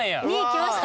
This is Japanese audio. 来ました。